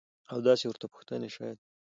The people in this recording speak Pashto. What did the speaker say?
او داسې ورته پوښتنې شايد.